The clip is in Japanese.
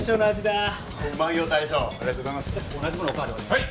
はい！